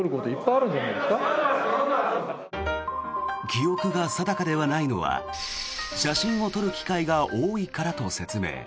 記憶が定かではないのは写真を撮る機会が多いからと説明。